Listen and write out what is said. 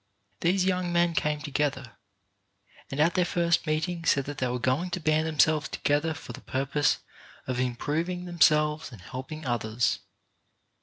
These young men came together, and at their first meeting said that they were going to band themselves together for the purpose of improving themselves and helping others.